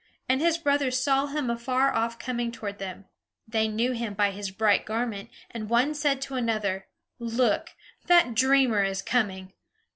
And his brothers saw him afar off coming toward them. They knew him by his bright garment; and one said to another: "Look, that dreamer is coming!